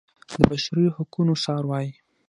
د بشري حقونو څار وايي.